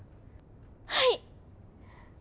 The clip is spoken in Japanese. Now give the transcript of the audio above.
はい！